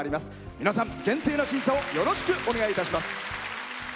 皆さん、厳正な審査をよろしくお願いいたします。